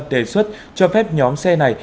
đề xuất cho phép nhóm xe này